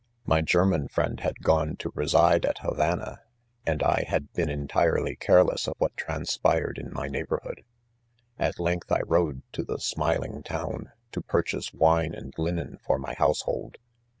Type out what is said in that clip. u ) My German friend had gone to> reside at Havana ; and I had been entirely careless of what .transpired in my neighborhood. At length 1 rode to the smiling town, to. purchase wine and linen for my household.